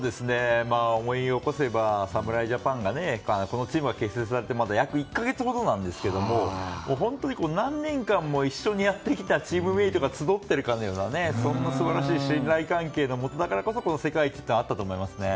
思い起こせば、侍ジャパンがこのチームが結成されてまだ、約１か月ほどなんですが本当に何年間も一緒にやってきたチームメートが集っている感じがそんな信頼関係のもとだからこそこの世界一ってあったと思いますね。